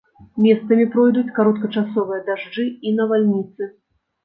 Месцамі пройдуць кароткачасовыя дажджы і навальніцы.